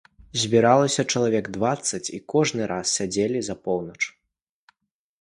Збіралася чалавек дваццаць, і кожны раз сядзелі за поўнач.